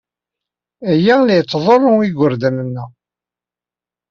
Aya la yettḍurru igerdan-nneɣ.